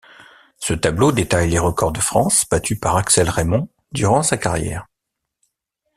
Ce tableau détaille les records de France battus par Axel Reymond durant sa carrière.